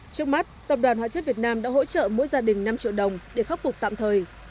trước mắt tập đoàn hóa chất việt nam đã hỗ trợ mỗi gia đình năm triệu đồng để khắc phục tạm thời